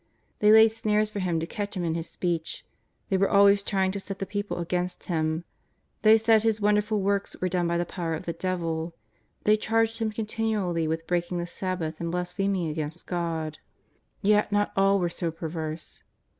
They laid snares for Him to catch Him in His speech, they were always trying to set the people against Him, they said His wonderful works were done by the power of the devil, they charged Him continually with breaking the Sabbath and blaspheming against God. Yet not all were so preverse.